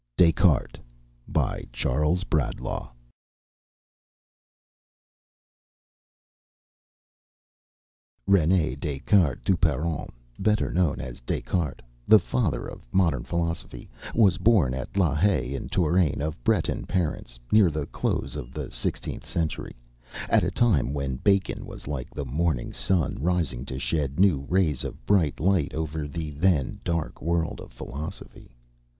A. C. DES CARTES. Rene des Cartes Duperron, better known as Des Cartes, the father of modern philosophy, was born at La Haye, in Touraine, of Breton parents, near the close of the sixteenth century, at a time when Bacon was like the morning sun, rising to shed new rays of bright light over the then dark world of philosophy.